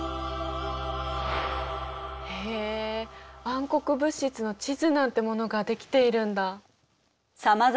へえ暗黒物質の地図なんてものが出来ているんだあ。